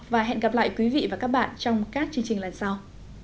và hẹn gặp lại quý vị và các bạn trong các chương trình lần sau